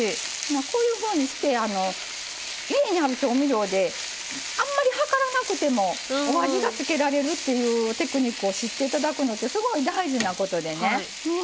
こういうふうにして家にある調味料であんまり量らなくてもお味が付けられるっていうテクニックを知って頂くのってすごい大事なことでね。